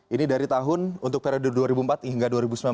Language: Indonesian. ini dari tahun untuk periode dua ribu empat hingga dua ribu sembilan belas